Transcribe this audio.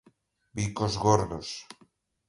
Bicos gordos